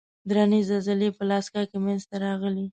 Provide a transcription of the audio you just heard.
درنې زلزلې په الاسکا کې منځته راغلې.